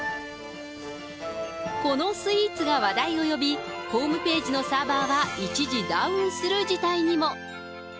このスイーツが話題を呼び、ホームページのサーバーは一時ダウンする事態にも。